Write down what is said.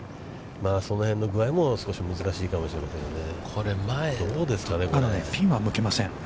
その辺のぐあいも少し難しいかもしれませんよね。